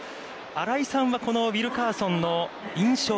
新井さんはこのウィルカーソンの印象。